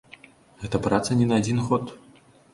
Гэта праца не на адзін год.